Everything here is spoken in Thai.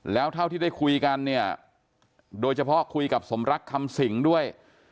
แล้วเท่าที่ได้คุยกันเนี่ยโดยเฉพาะคุยกับสมรักคำสิงด้วย